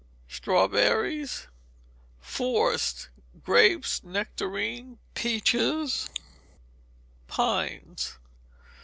Strawberries. Forced: Grapes, nectarines, peaches, pines.